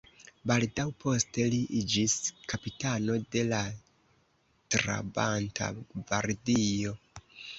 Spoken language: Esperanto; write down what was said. Baldaŭ poste li iĝis kapitano de la Trabanta gvardio.